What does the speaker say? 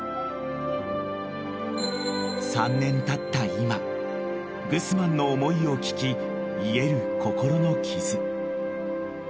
今グスマンの思いを聞き癒える心の傷］